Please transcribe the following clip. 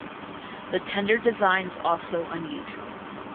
The tender design is also unusual.